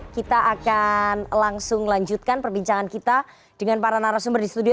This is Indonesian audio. kita akan langsung lanjutkan perbincangan kita dengan para narasumber di studio